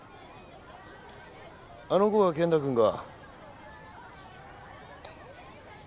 あの子が健太君が？